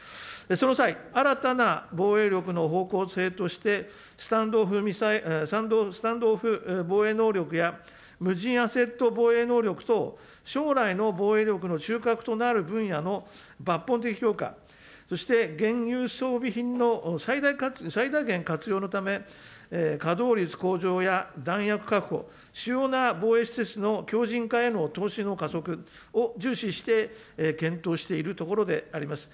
その際、新たな防衛力の方向性として、スタンドオフ防衛能力や無人アセット防衛能力等、将来の防衛力の中核となる分野の抜本的強化、そして現有装備品の最大限活用のため、稼働率向上や弾薬確保、主要な防衛施設の強じん化への投資の加速を重視して検討しているところであります。